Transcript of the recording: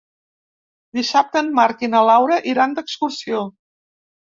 Dissabte en Marc i na Laura iran d'excursió.